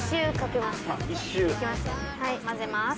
はい混ぜます。